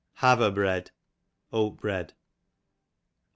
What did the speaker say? Haver bread, oat bread.